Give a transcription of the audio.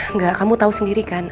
enggak kamu tahu sendiri kan